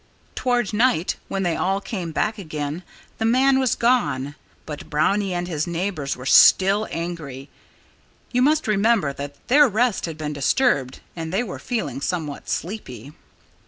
Toward night, when they all came back again, the man had gone. But Brownie and his neighbors were still angry. You must remember that their rest had been disturbed and they were feeling somewhat sleepy.